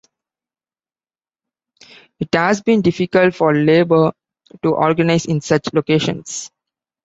It has been difficult for labor to organize in such locations.